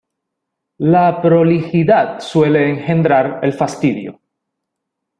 La prolijidad suele engendrar el fastidio.